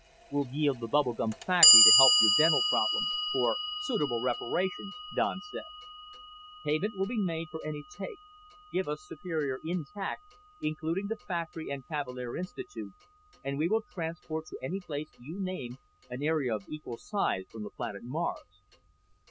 "We'll yield the bubble gum factory to help your dental problem for suitable reparations," Don said. "Payment will be made for anything we take. Give us Superior intact, including the factory and Cavalier Institute, and we will transport to any place you name an area of equal size from the planet Mars."